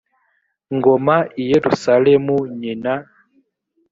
ngoma i yerusalemu nyina